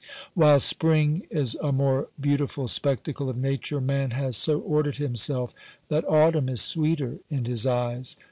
While spring is a more beautiful spectacle of Nature, man has so ordered himself that autumn is sweeter in his eyes.